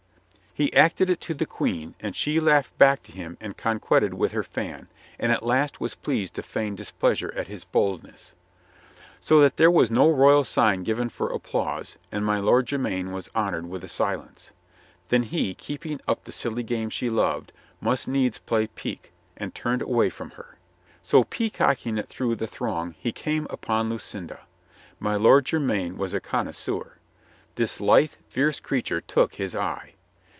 He acted it to the Queen, and she laughed back to him and conquetted with her fan, and at last was pleased to feign displeasure at his boldness. So that there was no royal sign given for applause, and my Lord Jermyn was honored with a silence. Then he, keeping up the silly game she loved, must needs play pique, and turned away from her. So, peacock ing it through the throng, he came upon Lucinda. My Lord Jermyn was a connoisseur. This lithe, fierce creature took his eye.